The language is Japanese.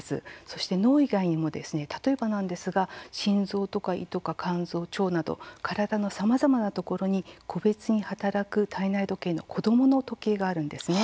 そして脳以外にも例えばなんですが心臓とか胃とか肝臓腸など体のさまざまなところに個別に働く体内時計の子どもの時計があるんですね。